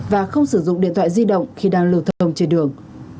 và không sử dụng điện thoại di động khi đang lưu thông trên đường